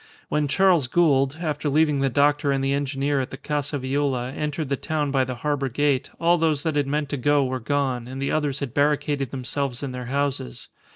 When Charles Gould, after leaving the doctor and the engineer at the Casa Viola, entered the town by the harbour gate, all those that had meant to go were gone, and the others had barricaded themselves in their houses.